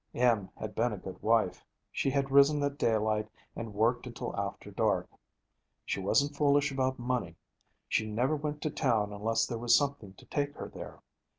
Em had been a good wife; she had risen at daylight and worked until after dark. She wasn't foolish about money. She never went to town unless there was something to take her there.